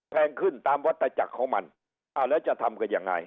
แพงขึ้นตามวัตจักรของมันอ่าแล้วจะทำกันยังไง